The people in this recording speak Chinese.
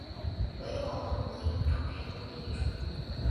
为网络模因图片的一种。